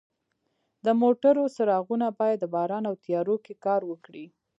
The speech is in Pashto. د موټرو څراغونه باید د باران او تیارو کې کار وکړي.